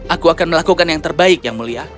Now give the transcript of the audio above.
aku akan melakukan yang terbaik yang mulia